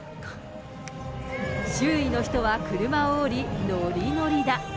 周囲の人は車を降り、のりのりだ。